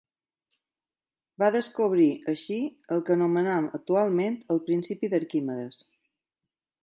Va descobrir, així, el que anomenem actualment el principi d'Arquimedes.